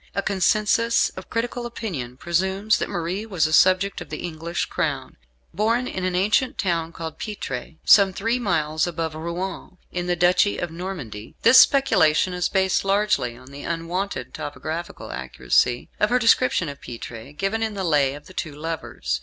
A consensus of critical opinion presumes that Marie was a subject of the English Crown, born in an ancient town called Pitre, some three miles above Rouen, in the Duchy of Normandy. This speculation is based largely on the unwonted topographical accuracy of her description of Pitre, given in "The Lay of the Two Lovers."